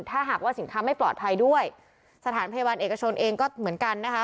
ถ้าหากว่าสินค้าไม่ปลอดภัยด้วยสถานพยาบาลเอกชนเองก็เหมือนกันนะคะ